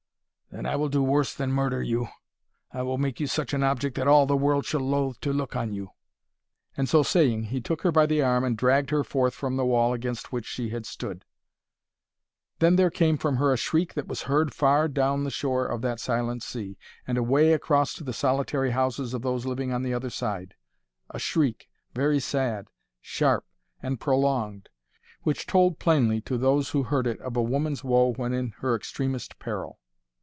"Then I will do worse than murder you. I will make you such an object that all the world shall loathe to look on you." And so saying he took her by the arm and dragged her forth from the wall against which she had stood. Then there came from her a shriek that was heard far down the shore of that silent sea, and away across to the solitary houses of those living on the other side,—a shriek, very sad, sharp, and prolonged,—which told plainly to those who heard it of woman's woe when in her extremest peril.